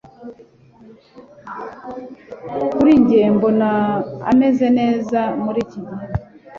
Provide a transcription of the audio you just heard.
Kuri njye mbona ameze neza muri iki gihe